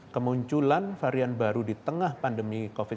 kemunculan varian baru di tengah tengah negara di tengah tengah negara